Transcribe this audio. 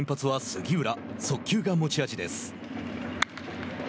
速球が持ち味です。